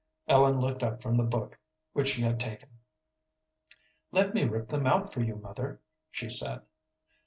Ellen looked up from the book which she had taken. "Let me rip them out for you, mother," she said.